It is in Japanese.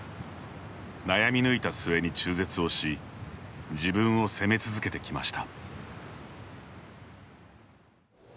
悩み抜いた末に中絶をし自分を責め続けてきました。